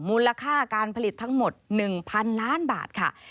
มูลค่าการผลิตทั้งหมด๑๐๐๐ล้านบาทค่ะ